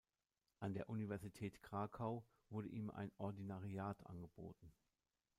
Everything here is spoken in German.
An der Universität Krakau wurde ihm ein Ordinariat angeboten.